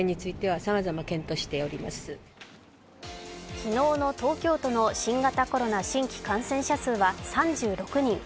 昨日の東京都の新型コロナ新規感染数は３６人。